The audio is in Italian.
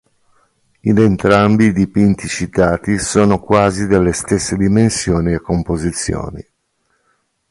In entrambi i dipinti citati sono quasi delle stesse dimensioni e composizioni.